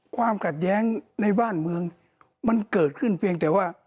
ความขัดแย้งในบ้านเมืองมันเกิดขึ้นเพียงแต่ว่า